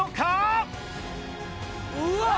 うわっ！